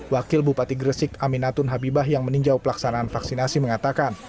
wakil bupati gresik aminatun habibah yang meninjau pelaksanaan vaksinasi mengatakan